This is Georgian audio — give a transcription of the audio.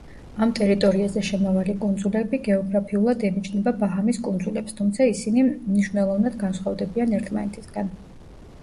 ამ ტერიტორიაზე შემავალი კუნძულები გეოგრაფიულად ემიჯნება ბაჰამის კუნძულებს, თუმცა ისინი მნიშვნელოვნად განსხვავდებიან ერთმანეთისგან.